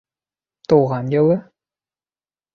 Тыуған йылы?